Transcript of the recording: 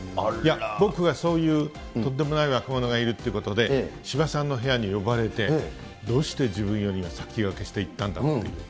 僕がそういうとんでもない若者がいるっていうんで司馬さんの部屋に呼ばれて、どうして自分よりも先がけして行ったんだって。